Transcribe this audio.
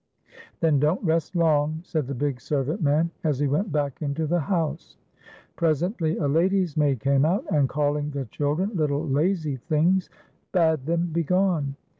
" Then don't rest long," said the big servant man, as he went back into the house. Presently a lady's maid came out, and calling the children little lazy things, bade them begone.